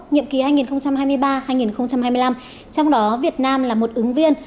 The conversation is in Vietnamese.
nhiệm kỳ hai nghìn hai mươi ba hai nghìn hai mươi năm trong đó việt nam là một ứng viên